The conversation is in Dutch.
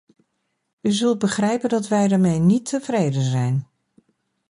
U zult begrijpen dat wij daarmee niet tevreden zijn.